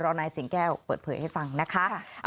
นายสิงแก้วเปิดเผยให้ฟังนะคะ